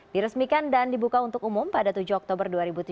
diresmikan dan dibuka untuk umum pada tujuh oktober dua ribu tujuh belas